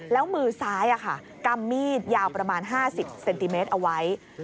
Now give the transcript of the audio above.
แล้วมือซ้ายกำมีดยาวประมาณ๕๐เซนติเมตรเอาไว้